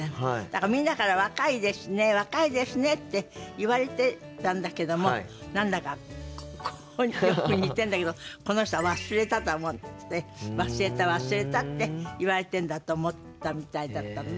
みんなから「若いですね若いですね」って言われてたんだけども何だかよく似てるんだけどこの人は「忘れた」と思って「忘れた忘れた」って言われてるんだと思ったみたいだったの。